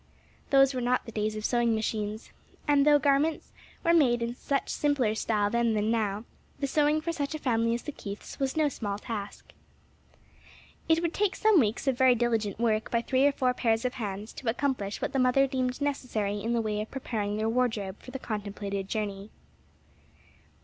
Those were not the days of sewing machines, and though garments were made in much simpler style then than now, the sewing for such a family as the Keiths was no small task. It would take some weeks of very diligent work by three or four pairs of hands to accomplish what the mother deemed necessary in the way of preparing their wardrobe for the contemplated journey.